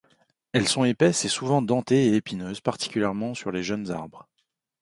Elles sont épaisses et souvent dentées et épineuses, particulièrement sur les jeunes arbres.